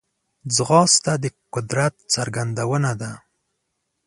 ځغاسته د قدرت څرګندونه ده